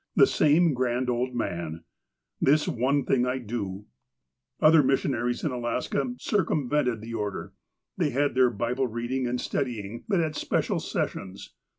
The same grand old man !'' This one thing I do !" Other missionaries in Alaska circumvented the order. They had their Bible reading and studying, but at special sessions.